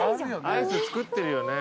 アイス作ってるよね。